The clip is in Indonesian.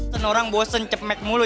senorang bosen cepmek mulu